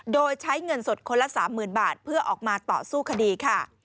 โดยใช้เงินสดคนละ๓๐๐๐บาทเพื่อออกมาต่อสู้คดีค่ะ